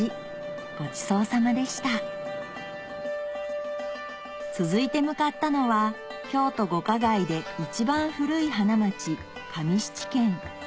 ごちそうさまでした続いて向かったのは京都五花街で一番古い花街